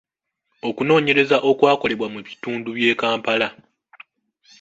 Okunoonyereza okwakolebwa mu bitundu by’e Kampala.